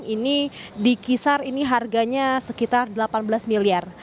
ini dikisar ini harganya sekitar rp delapan belas miliar